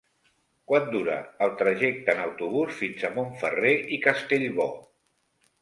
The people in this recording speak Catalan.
Quant dura el trajecte en autobús fins a Montferrer i Castellbò?